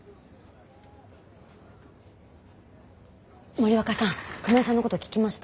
森若さん熊井さんのこと聞きました？